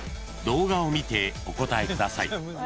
［動画を見てお答えください］